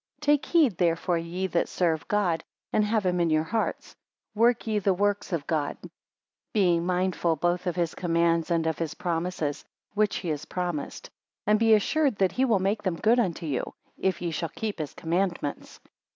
6 Take heed therefore ye that serve God, and have him in your hearts: work ye the works of God, being mindful both of his commands and of his promises, which he has promised; and be assured that he will make them good unto you; if ye shall keep his commandments.